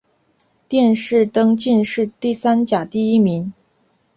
殿试登进士第三甲第一名。